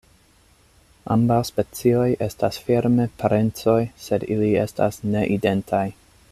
Ambaŭ specioj estas firme parencoj, sed ili estas ne identaj.